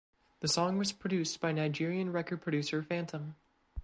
The song was produced by Nigerian record producer Phantom.